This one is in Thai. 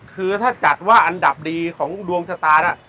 คือถ้าจัดว่าอันดับดีของดวงชะตานะ